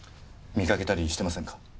見かけたりしてませんか？